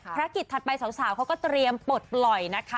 ถัดไปสาวเขาก็เตรียมปลดปล่อยนะคะ